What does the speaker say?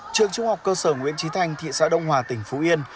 trường trung học cơ sở nguyễn trí thanh thị xã đông hòa tỉnh phú yên